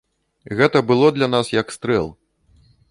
Гэта было для нас як стрэл.